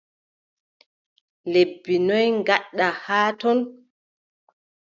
Lebbi noy gaɗɗa haa ton ?